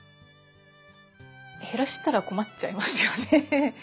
減らしたら困っちゃいますよね。